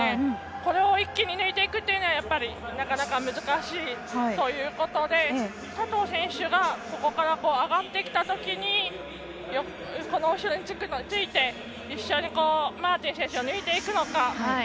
これを一気に抜いていくのはなかなか難しいということで佐藤選手が、そこから上がってきたときにこの後ろについて、一緒にマーティン選手を抜いていくのか。